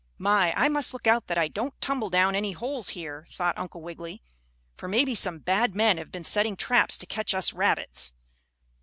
"My, I must look out that I don't tumble down any holes here," thought Uncle Wiggily, "for maybe some bad men have been setting traps to catch us rabbits."